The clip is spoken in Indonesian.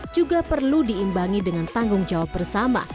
juga perlu diimbangi dengan tanggung jawab bersama